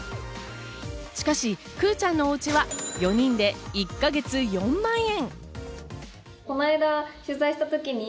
しかし、くぅちゃんのおうちは４人で１か月４万円。